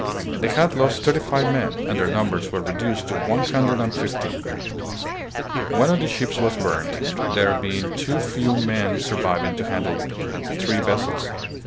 They had lost thirty five men and their numbers were reduced to one hundred and fifteen. One of the ships was burned, there being too few men surviving to handle three vessels.